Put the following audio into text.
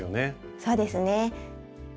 そうですね。